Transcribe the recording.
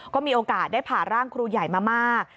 ก็มีโอกาสได้ผ่าร่างครูใหญ่มามาก